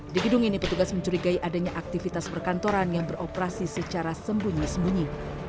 di gedung ini petugas mencurigai adanya aktivitas perkantoran yang beroperasi secara sembunyi sembunyi